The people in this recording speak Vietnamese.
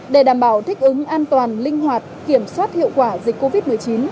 để đảm bảo thích ứng an toàn linh hoạt kiểm soát hiệu quả dịch covid một mươi chín